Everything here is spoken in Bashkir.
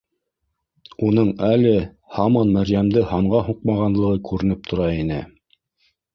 Уның әле һаман Мәрйәмде һанға һуҡмағанлығы күренеп тора ине